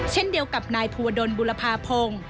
เช่นเดียวกับนายภูวดลบุรพาพงศ์